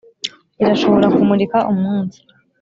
irashobora kumurika umunsi.